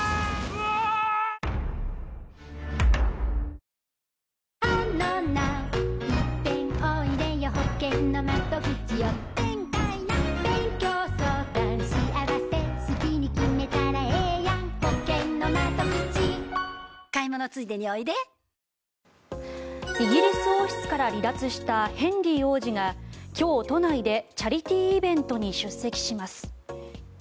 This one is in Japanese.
まだＱＲコードでイギリス王室から離脱したヘンリー王子が今日、都内でチャリティーイベントに出席します。